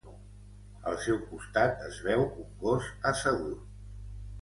Al seu costat es veu un gos assegut.